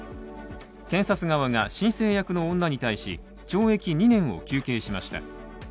検察側が申請役の女に対し、懲役２年を求刑しました。